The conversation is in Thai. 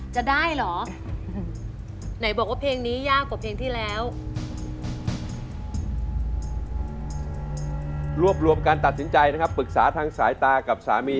ใช้ค่ะ